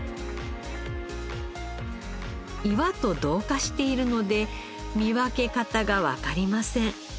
岩と同化しているので見分け方がわかりません。